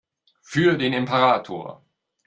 Für den Imperator!